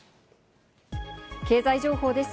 経済情報です。